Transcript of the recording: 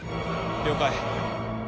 了解。